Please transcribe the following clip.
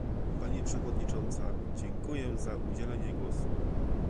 Pani przewodnicząca, dziękuję za udzielenie głosu